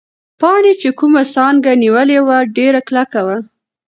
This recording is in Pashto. پاڼې چې کومه څانګه نیولې وه، ډېره کلکه وه.